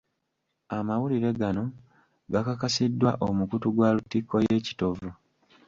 Amawulire gano gakakasiddwa omukutu gwa lutikko ye Kitovu.